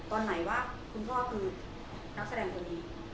ตอนไหนว่าคุณพ่อคือนักแสดงตัวนี้